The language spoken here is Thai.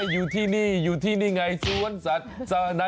อยู่ที่นี่ไงสวนสัตว์สวรรค์